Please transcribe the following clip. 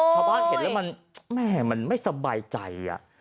ชาวบ้านเห็นแล้วมันแม่มันไม่สบายใจ